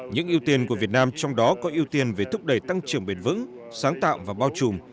những ưu tiên của việt nam trong đó có ưu tiên về thúc đẩy tăng trưởng bền vững sáng tạo và bao trùm